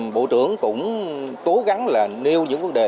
bộ trưởng cũng cố gắng là nêu những vấn đề